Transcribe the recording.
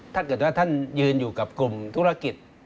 ถ้าเกิดว่าท่านยืนอยู่กับกลุ่มธุรกิจ